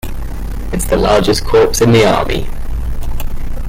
It is the largest Corps in the Army.